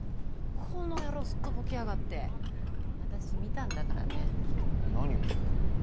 この野郎すっとぼけやがって私見たんだからね何を？